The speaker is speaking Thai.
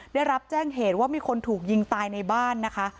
ได้รับแจ้งเหตุว่ามีคนถูกยิงตายในบ้านนะคะ